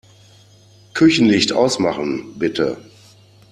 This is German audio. Küchenlicht ausmachen, bitte.